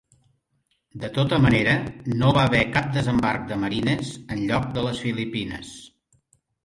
De tota manera, no va haver cap desembarc de marines enlloc de les Filipines.